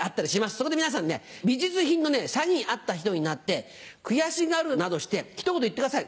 そこで皆さん美術品の詐欺に遭った人になって悔しがるなどしてひと言言ってください。